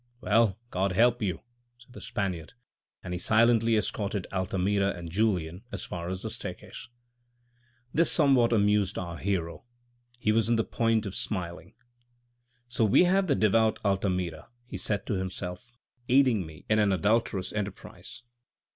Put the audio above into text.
" Well, God help you," added the Spaniard, and he silently escorted Altamira and Julien as far as the staircase. This somewhat amused our hero ; he was on the point of smiling. " So we have the devout Altamira," he said to him self, " aiding me in an adulterous enterprise."